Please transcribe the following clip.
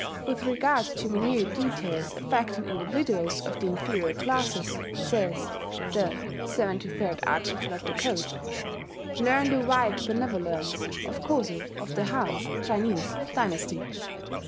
"With regard to minute details affecting individuals of the inferior classes," says the 73d article of the code, "learn the wide benevolence of Koso of the Han [Chinese] dynasty."